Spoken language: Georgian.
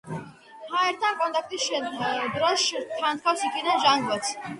ჰაერთან კონტაქტის დროს შთანთქავს იქიდან ჟანგბადს.